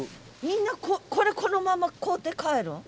みんなこれこのまま買うて帰るん？